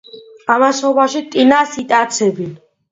ამასობაში ტინას იტაცებენ.